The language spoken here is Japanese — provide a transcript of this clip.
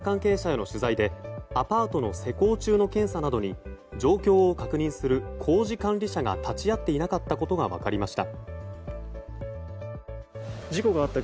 その後の捜査関係者への取材でアパートの施工中の検査などに状況を確認する工事監理者が立ち会っていなかったことが分かりました。